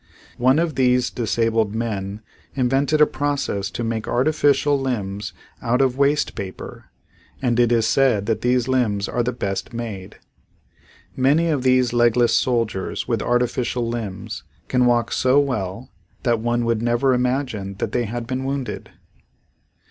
One of these disabled men invented a process to make artificial limbs out of waste paper and it is said that these limbs are the best made. Many of these legless soldiers with artificial limbs can walk so well that one would never imagine that they had been wounded.